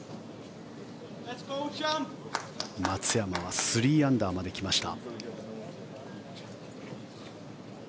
松山は３アンダーまで来ました。